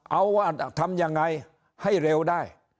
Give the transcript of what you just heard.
เอาว่าทำยังไงให้เร็วได้